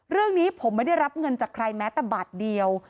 เรื่องนี้ผมไม่ได้รับเงินจากใครแม้แต่บาทเดียว